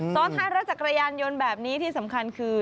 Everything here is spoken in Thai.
ซ้อนท้ายรถจักรยานยนต์แบบนี้ที่สำคัญคือ